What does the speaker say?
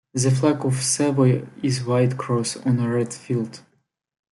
The flag of Savoy is white cross on a red field.